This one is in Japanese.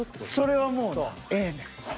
それはもうなええねん。